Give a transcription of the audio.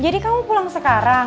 jadi kamu pulang sekarang